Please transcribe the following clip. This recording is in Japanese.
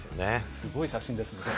すごい写真ですね、これ。